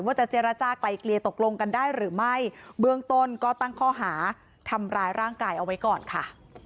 เจรจากลายเกลียตกลงกันได้หรือไม่เบื้องต้นก็ตั้งข้อหาทำร้ายร่างกายเอาไว้ก่อนค่ะ